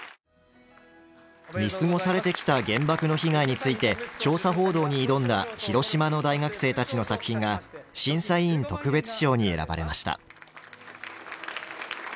見過ごされてきた原爆の被害について調査報道に挑んだ広島の大学生たちの作品が審査委員特別賞に選ばれました。